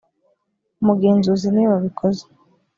umugenzuzi niwe wabikoze.